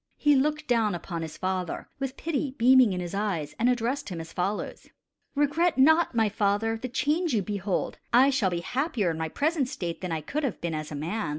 He looked down upon his father with pity beaming in his eyes, and addressed him as follows: "Regret not, my father, the change you behold. I shall be happier in my present state than I could have been as a man.